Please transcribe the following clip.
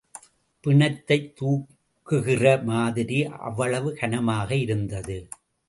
பிணத்தைத் தூக்குகிற மாதிரி, அவ்வளவு கனமாக இருந்தது.